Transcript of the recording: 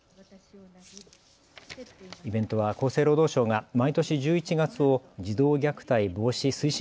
イベントは厚生労働省が毎年１１月を児童虐待防止推進